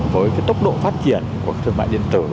với cái tốc độ phát triển của thương mại điện tử